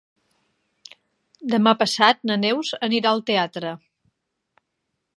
Demà passat na Neus anirà al teatre.